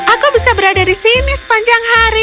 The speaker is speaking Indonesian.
aku bisa berada di sini sepanjang hari